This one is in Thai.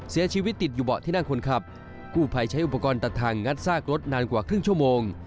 เสียชีวิตติดอยู่เบาะที่นั่งคนขับกู้ภัยใช้อุปกรณ์ตัดทางงัดซากรถนานกว่าครึ่งชั่วโมง